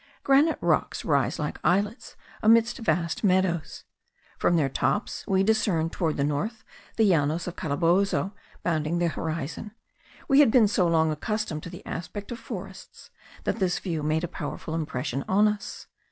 Granite rocks rise like islets amidst vast meadows. From their tops we discerned towards the north the Llanos of Calabozo bounding the horizon. We had been so long accustomed to the aspect of forests, that this view made a powerful impression on us.